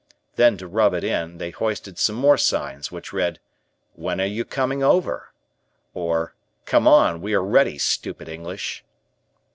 Then to rub it in, they hoisted some more signs which read, "When are you coming over?" or "Come on, we are ready, stupid English."